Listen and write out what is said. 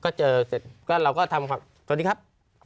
ก็เจอเสร็จก็เราก็ทำสวัสดีครับ